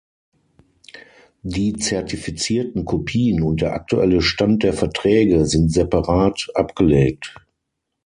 Die zertifizierten Kopien und der aktuelle Stand der Verträge sind separat abgelegt.